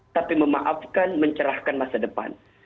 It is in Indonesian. tapi memaafkan mencerahkan masa depan